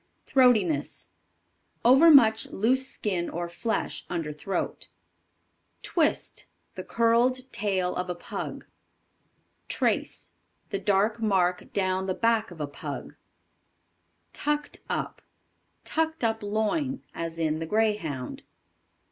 Throatiness. Overmuch loose skin or flesh under throat. Twist. The curled tail of a Pug. Trace. The dark mark down the back of a Pug. Tucked up. Tucked up loin, as in the Greyhound.